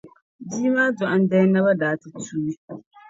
bia maa dɔɣim dali naba daa ti tuui.